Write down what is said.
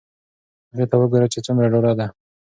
هغې ته وگوره چې څومره ډاډه ده.